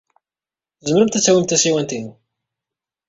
Tzemremt ad tawimt tasiwant-inu.